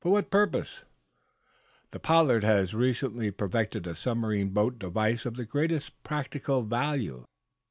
"For what purpose?" "Pollard has recently perfected a submarine boat device of the greatest practical value.